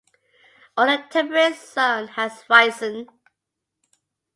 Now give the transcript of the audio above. All the temperate zone has risen.